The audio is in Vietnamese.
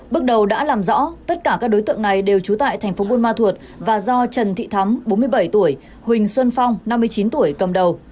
bước đầu đã làm rõ tất cả các đối tượng này đều trú tại thành phố buôn ma thuột và do trần thị thắm bốn mươi bảy tuổi huỳnh xuân phong năm mươi chín tuổi cầm đầu